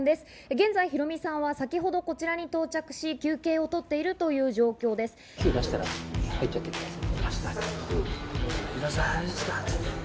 現在、ヒロミさんは先ほどこちらに到着し、休憩を取っているという状況キューだしたら、入っちゃってください。